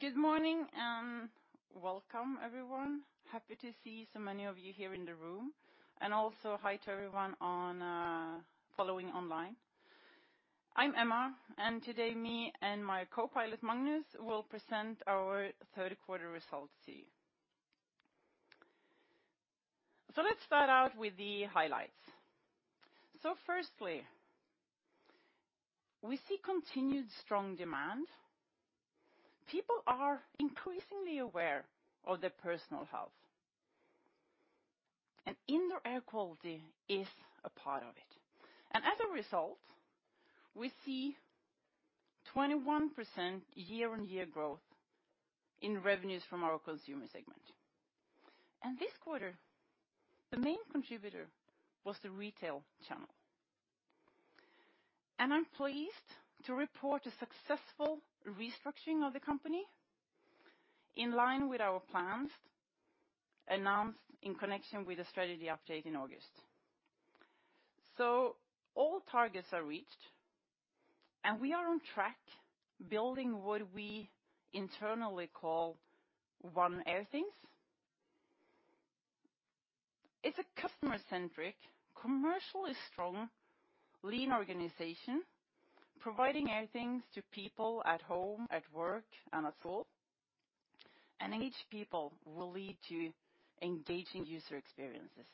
Good morning, and welcome everyone. Happy to see so many of you here in the room, and also hi to everyone on following online. I'm Emma, and today me and my co-pilot, Magnus, will present our third quarter results to you. Let's start out with the highlights. Firstly, we see continued strong demand. People are increasingly aware of their personal health, and indoor air quality is a part of it. As a result, we see 21% year-on-year growth in revenues from our consumer segment. This quarter, the main contributor was the retail channel. I'm pleased to report a successful restructuring of the company in line with our plans, announced in connection with the strategy update in August. All targets are reached, and we are on track building what we internally call One Airthings. It's a customer-centric, commercially strong, lean organization, providing Airthings to people at home, at work, and at school. And engage people will lead to engaging user experiences.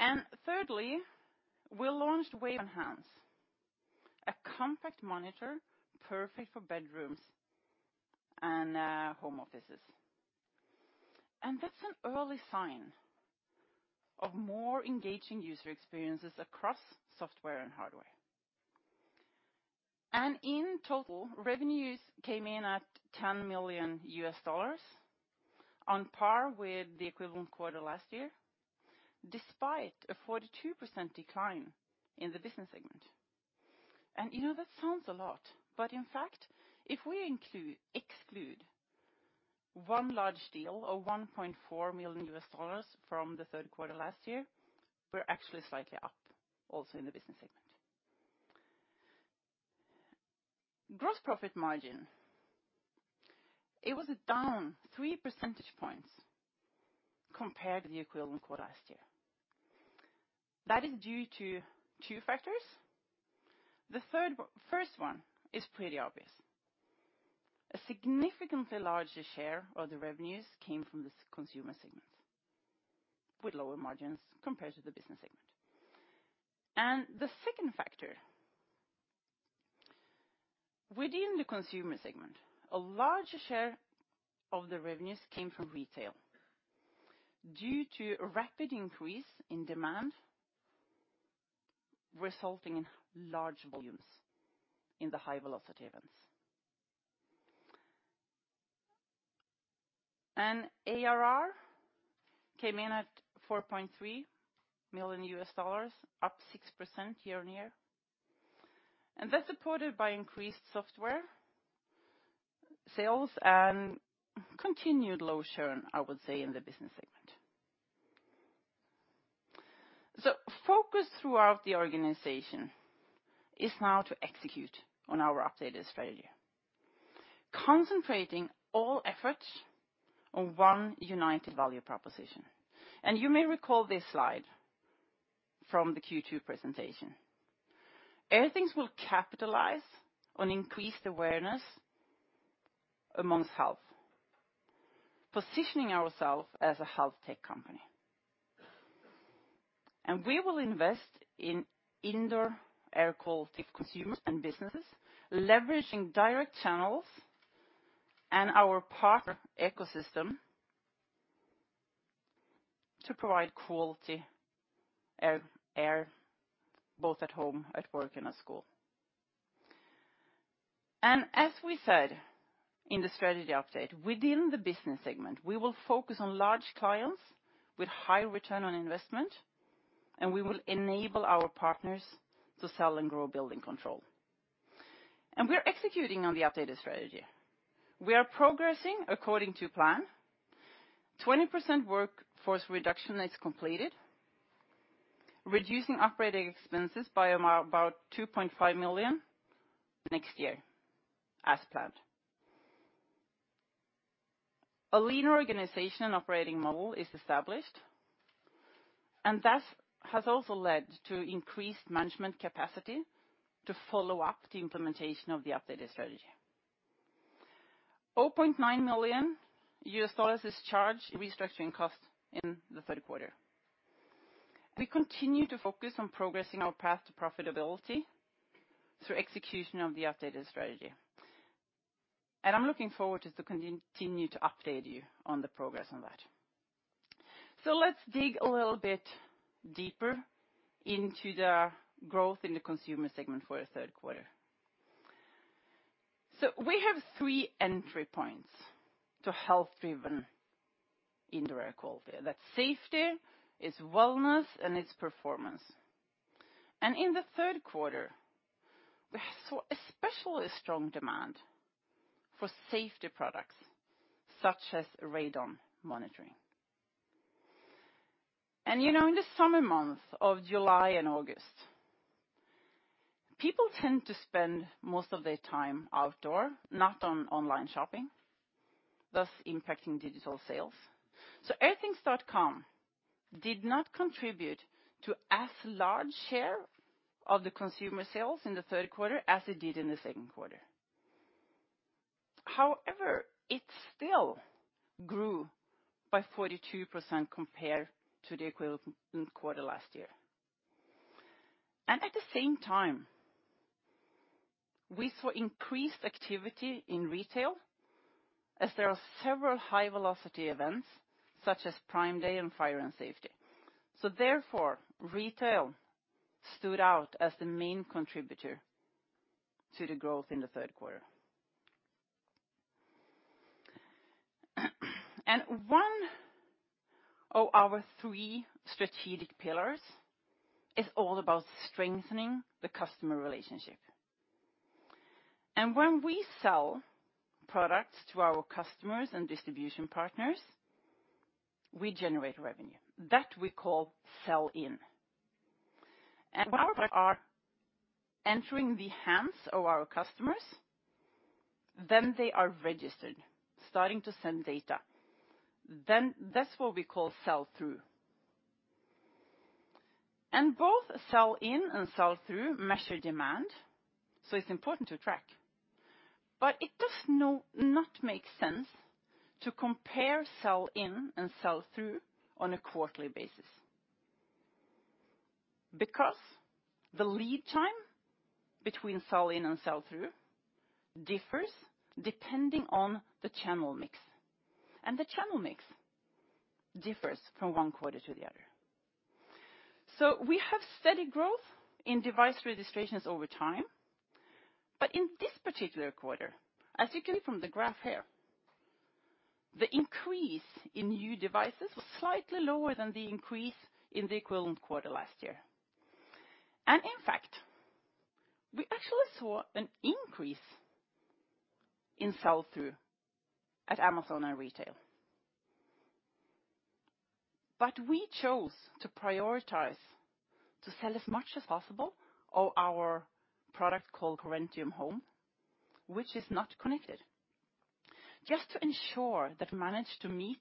And thirdly, we launched Wave Enhance, a compact monitor, perfect for bedrooms and home offices. And that's an early sign of more engaging user experiences across software and hardware. And in total, revenues came in at $10 million, on par with the equivalent quarter last year, despite a 42% decline in the business segment. And, you know, that sounds a lot, but in fact, if we exclude one large deal of $1.4 million from the third quarter last year, we're actually slightly up, also in the business segment. Gross profit margin, it was down three percentage points compared to the equivalent quarter last year. That is due to two factors. The third one, first one is pretty obvious. A significantly larger share of the revenues came from the consumer segment, with lower margins compared to the business segment. The second factor, within the consumer segment, a large share of the revenues came from retail due to a rapid increase in demand, resulting in large volumes in the high velocity events. ARR came in at $4.3 million, up 6% year-on-year, and that's supported by increased software sales and continued low churn, I would say, in the business segment. Focus throughout the organization is now to execute on our updated strategy, concentrating all efforts on one united value proposition. You may recall this slide from the Q2 presentation. Airthings will capitalize on increased awareness amongst health, positioning ourselves as a health tech company. And we will invest in indoor air quality for consumers and businesses, leveraging direct channels and our partner ecosystem to provide quality air both at home, at work, and at school. And as we said in the strategy update, within the business segment, we will focus on large clients with high return on investment, and we will enable our partners to sell and grow building control. And we're executing on the updated strategy. We are progressing according to plan. 20% workforce reduction is completed, reducing operating expenses by about $2.5 million next year, as planned. A lean organization operating model is established, and that has also led to increased management capacity to follow up the implementation of the updated strategy. $0.9 million is charged in restructuring costs in the third quarter. We continue to focus on progressing our path to profitability through execution of the updated strategy. And I'm looking forward to continue to update you on the progress on that. So let's dig a little bit deeper into the growth in the consumer segment for the third quarter. So we have three entry points to health-driven indoor air quality. That's safety, it's wellness, and it's performance. And in the third quarter, we saw especially strong demand for safety products, such as radon monitoring. And, you know, in the summer months of July and August, people tend to spend most of their time outdoors, not on online shopping, thus impacting digital sales. So Airthings.com did not contribute to as large share of the consumer sales in the third quarter as it did in the second quarter. However, it still grew by 42% compared to the equivalent quarter last year. And at the same time, we saw increased activity in retail as there are several high velocity events such as Prime Day and fire and safety. So therefore, retail stood out as the main contributor to the growth in the third quarter. And one of our three strategic pillars is all about strengthening the customer relationship. And when we sell products to our customers and distribution partners, we generate revenue. That we call sell-in. And when our products are entering the hands of our customers, then they are registered, starting to send data. Then that's what we call sell-through. And both sell-in and sell-through measure demand, so it's important to track. But it does not make sense to compare sell-in and sell-through on a quarterly basis, because the lead time between sell-in and sell-through differs depending on the channel mix, and the channel mix differs from one quarter to the other. So we have steady growth in device registrations over time, but in this particular quarter, as you can see from the graph here, the increase in new devices was slightly lower than the increase in the equivalent quarter last year. And in fact, we actually saw an increase in sell-through at Amazon and retail. But we chose to prioritize to sell as much as possible of our product called Corentium Home, which is not connected, just to ensure that we manage to meet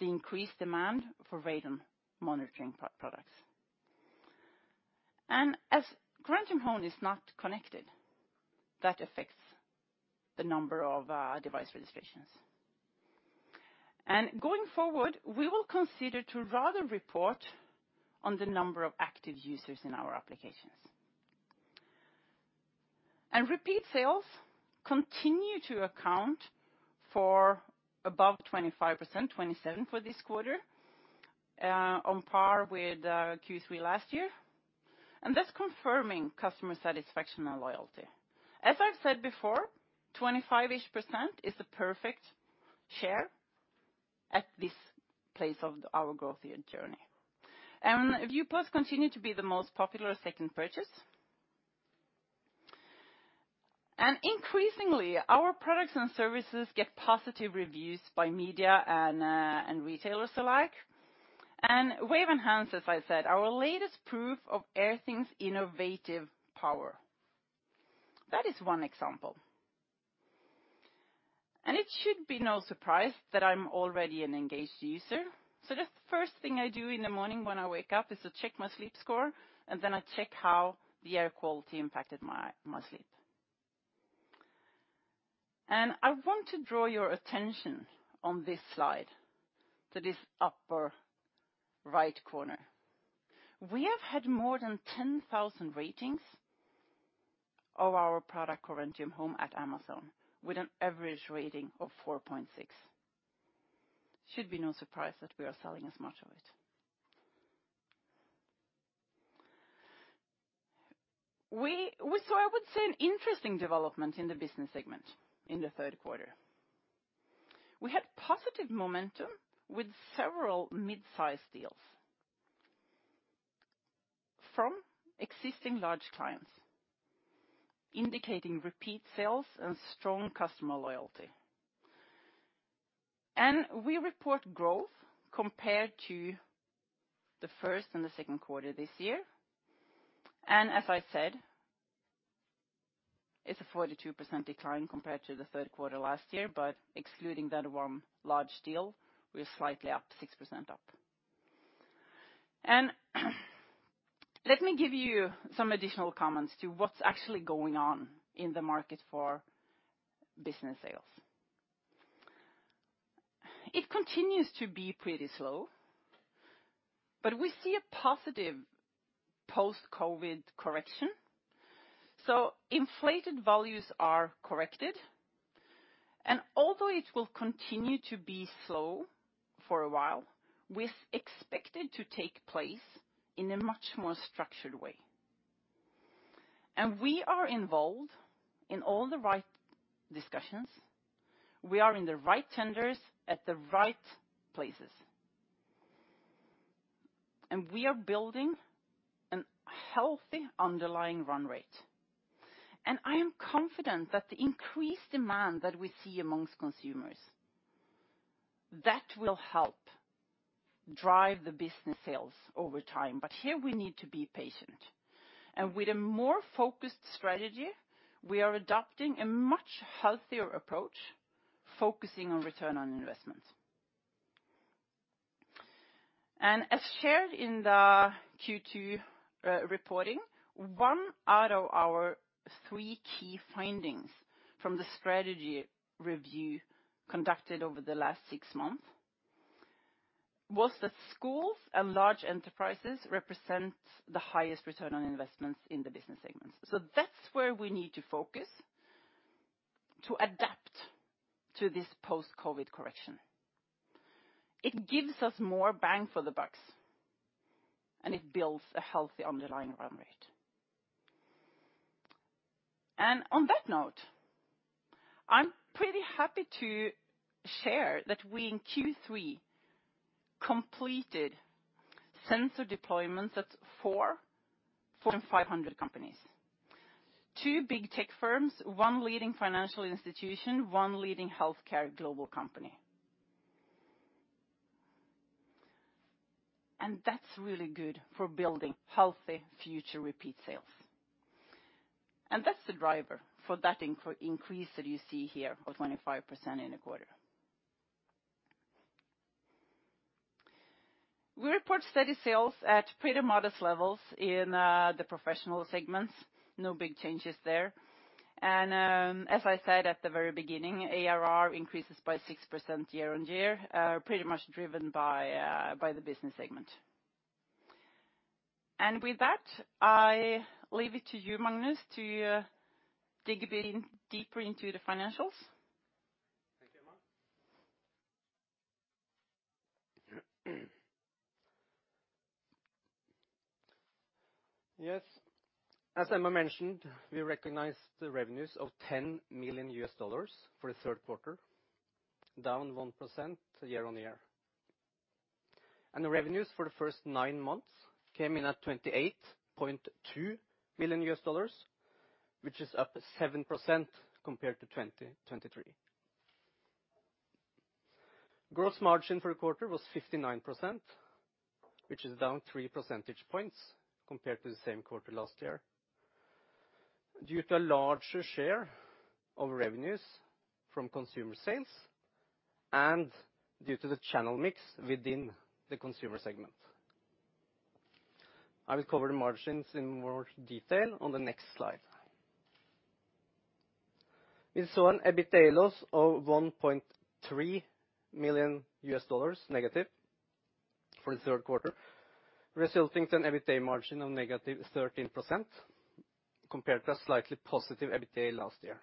the increased demand for radon monitoring products. And as Corentium Home is not connected, that affects the number of device registrations. Going forward, we will consider to rather report on the number of active users in our applications. Repeat sales continue to account for above 25%, 27% for this quarter, on par with Q3 last year, and that's confirming customer satisfaction and loyalty. As I've said before, 25-ish% is the perfect share at this place of our growth year journey. View Plus continue to be the most popular second purchase. Increasingly, our products and services get positive reviews by media and, and retailers alike. Wave Enhance, as I said, our latest proof of Airthings' innovative power. That is one example. It should be no surprise that I'm already an engaged user, so the first thing I do in the morning when I wake up is to check my sleep score, and then I check how the air quality impacted my sleep. I want to draw your attention on this slide, to this upper right corner. We have had more than 10,000 ratings of our product, Corentium Home, at Amazon, with an average rating of 4.6. Should be no surprise that we are selling as much of it. We saw, I would say, an interesting development in the business segment in the third quarter. We had positive momentum with several mid-sized deals from existing large clients, indicating repeat sales and strong customer loyalty. We report growth compared to the first and the second quarter this year. As I said, it's a 42% decline compared to the third quarter last year, but excluding that one large deal, we're slightly up, 6% up. Let me give you some additional comments to what's actually going on in the market for business sales. It continues to be pretty slow, but we see a positive post-COVID correction, so inflated values are corrected, and although it will continue to be slow for a while, we expect it to take place in a much more structured way. We are involved in all the right discussions. We are in the right tenders at the right places. We are building a healthy underlying run rate. I am confident that the increased demand that we see amongst consumers, that will help drive the business sales over time. Here we need to be patient. With a more focused strategy, we are adopting a much healthier approach, focusing on return on investment. As shared in the Q2 reporting, one out of our three key findings from the strategy review conducted over the last six months was that schools and large enterprises represent the highest return on investments in the business segments. That's where we need to focus to adapt to this post-COVID correction. It gives us more bang for the bucks, and it builds a healthy underlying run rate. On that note, I'm pretty happy to share that we, in Q3, completed sensor deployments at 450 companies. Two big tech firms, one leading financial institution, one leading healthcare global company. That's really good for building healthy future repeat sales. That's the driver for that increase that you see here of 25% in a quarter. We report steady sales at pretty modest levels in the professional segments. No big changes there. As I said at the very beginning, ARR increases by 6% year on year, pretty much driven by the business segment. With that, I leave it to you, Magnus, to dig a bit in deeper into the financials. Thank you, Emma. Yes, as Emma mentioned, we recognized the revenues of $10 million for the third quarter, down 1% year on year. The revenues for the first nine months came in at $28.2 million, which is up 7% compared to 2023. Gross margin for the quarter was 59%, which is down three percentage points compared to the same quarter last year, due to a larger share of revenues from consumer sales and due to the channel mix within the consumer segment. I will cover the margins in more detail on the next slide. We saw an EBITDA loss of $1.3 million negative for the third quarter, resulting in an EBITDA margin of -13% compared to a slightly positive EBITDA last year.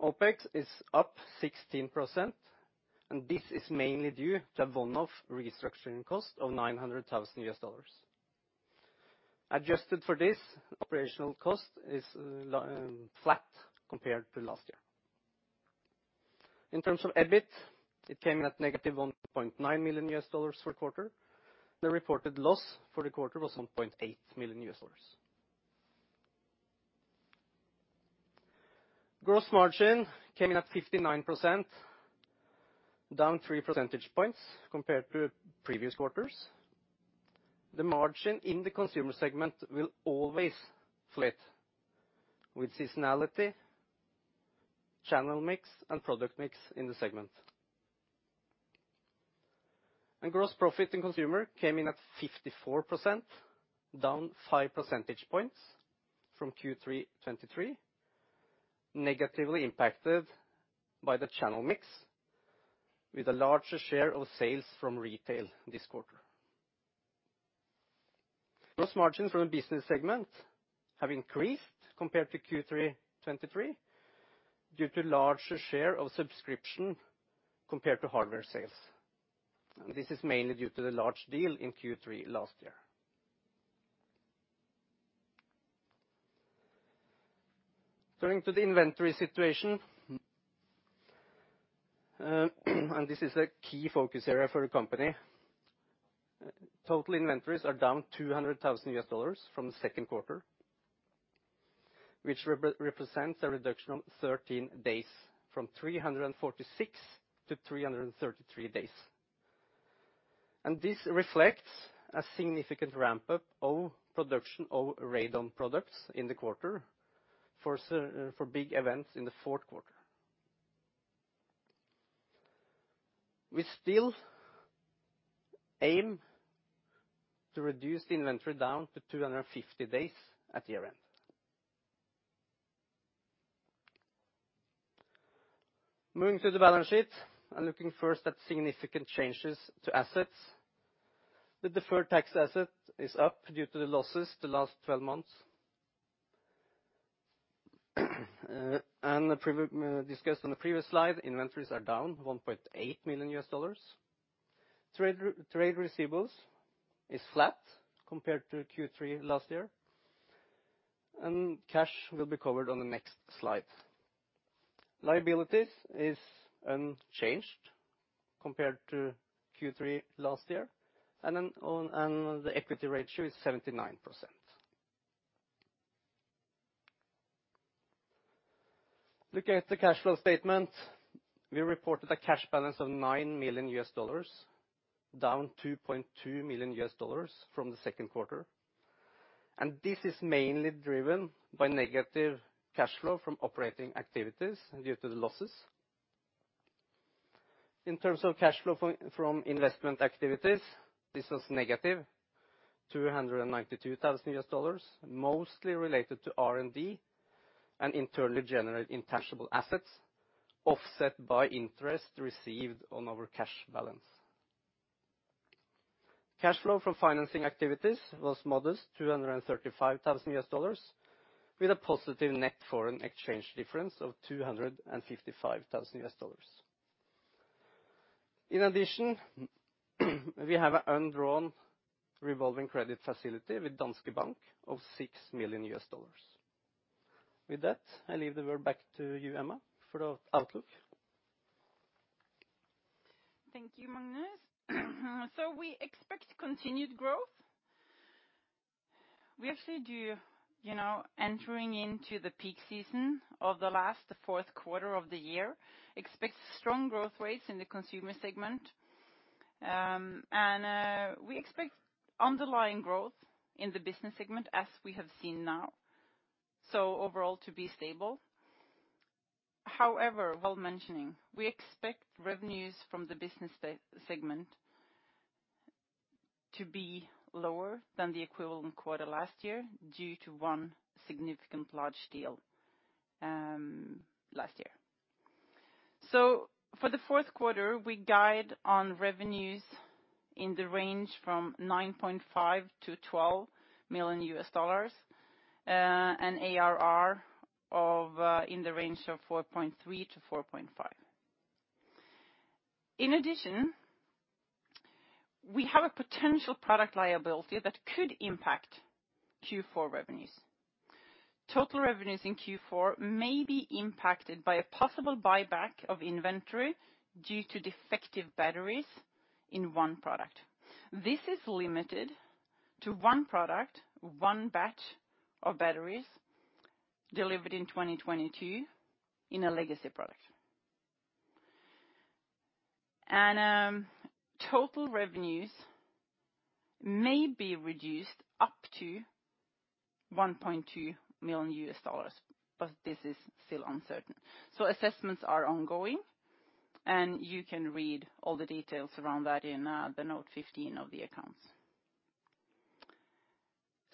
OpEx is up 16%, and this is mainly due to a one-off restructuring cost of $900,000. Adjusted for this, operational cost is flat compared to last year. In terms of EBIT, it came in at negative $1.9 million for the quarter. The reported loss for the quarter was $1.8 million. Gross margin came in at 59%, down three percentage points compared to previous quarters. The margin in the consumer segment will always flip with seasonality, channel mix, and product mix in the segment. Gross profit in consumer came in at 54%, down five percentage points from Q3 2023, negatively impacted by the channel mix, with a larger share of sales from retail this quarter. Gross margins from the business segment have increased compared to Q3 2023, due to larger share of subscription compared to hardware sales, and this is mainly due to the large deal in Q3 last year. Turning to the inventory situation, and this is a key focus area for the company. Total inventories are down $200,000 from the second quarter, which represents a reduction of 13 days, from 346-333 days, and this reflects a significant ramp-up of production of radon products in the quarter for big events in the fourth quarter. We still aim to reduce the inventory down to 250 days at year-end. Moving to the balance sheet and looking first at significant changes to assets. The deferred tax asset is up due to the losses the last 12 months. As previously discussed on the previous slide, inventories are down $1.8 million. Trade receivables is flat compared to Q3 last year, and cash will be covered on the next slide. Liabilities is changed compared to Q3 last year, and the equity ratio is 79%. Looking at the cash flow statement, we reported a cash balance of $9 million, down $2.2 million from the second quarter. And this is mainly driven by negative cash flow from operating activities due to the losses. In terms of cash flow from investment activities, this was negative $292,000, mostly related to R&D and internally generated intangible assets, offset by interest received on our cash balance. Cash flow from financing activities was modest, $235,000, with a positive net foreign exchange difference of $255,000. In addition, we have an undrawn revolving credit facility with Danske Bank of $6 million. With that, I leave the word back to you, Emma, for the outlook. Thank you, Magnus. So we expect continued growth. We actually do, you know, entering into the peak season of the last fourth quarter of the year, expect strong growth rates in the consumer segment. And we expect underlying growth in the business segment, as we have seen now, so overall to be stable. However, while mentioning, we expect revenues from the business segment to be lower than the equivalent quarter last year, due to one significant large deal last year. So for the fourth quarter, we guide on revenues in the range from $9.5-$12 million, and ARR of in the range of $4.3-$4.5. In addition, we have a potential product liability that could impact Q4 revenues. Total revenues in Q4 may be impacted by a possible buyback of inventory due to defective batteries in one product. This is limited to one product, one batch of batteries delivered in 2022 in a legacy product. And total revenues may be reduced up to $1.2 million, but this is still uncertain. So assessments are ongoing, and you can read all the details around that in the Note 15 of the accounts.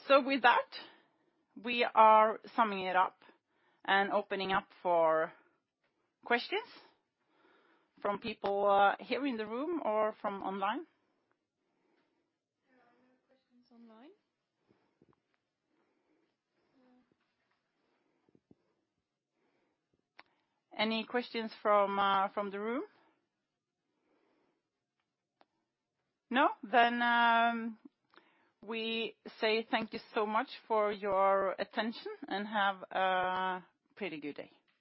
So with that, we are summing it up and opening up for questions from people here in the room or from online. Yeah, we have questions online. Any questions from the room? No? Then we say thank you so much for your attention, and have a pretty good day.